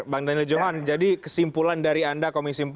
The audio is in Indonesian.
bang daniel johan jadi kesimpulan dari anda komisi empat